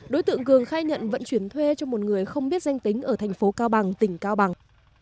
đối tượng cường khai nhận vận chuyển thuê cho một người không biết danh tính ở thành phố cao bằng tỉnh cao bằng